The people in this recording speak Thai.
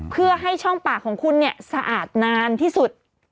เพื่อให้ช่องปากของคุณเนี่ยสะอาดนานที่สุด